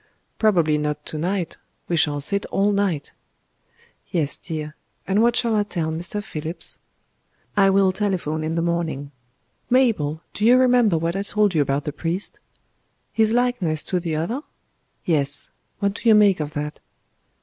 "Probably not to night. We shall sit all night." "Yes, dear. And what shall I tell Mr. Phillips?" "I will telephone in the morning.... Mabel, do you remember what I told you about the priest?" "His likeness to the other?" "Yes. What do you make of that?"